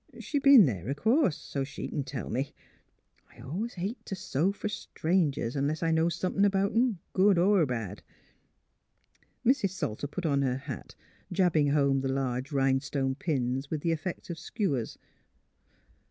She's b'en there o' course; so she c'n tell me. I always hate t' sew fer strangers, unless I know somethin' 'bout 'em, good er bad." Mrs. Salter put on her hat, jabbing home the large rhinestone pins with the effect of skewers.